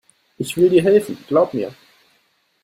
Ich will dir helfen, glaub mir.